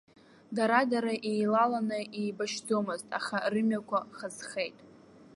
Дара-дара еилаланы еибашьӡомызт, аха рымҩақәа хазхеит.